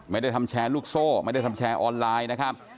ไม่ได้ทำแชร์ลูกโซ่ไม่ได้ทำแชร์ออนไลน์นะครับ